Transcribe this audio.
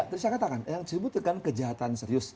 tadi saya katakan yang disebutkan kejahatan serius